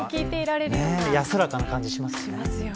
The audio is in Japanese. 安らかな感じしますしね。